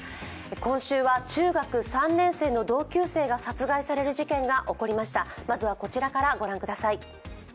今週は中学３年生の同級生が殺害される事件が起こりました。